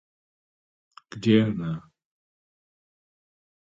Где она?